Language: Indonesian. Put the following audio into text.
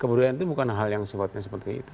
kebudayaan itu bukan hal yang sifatnya seperti itu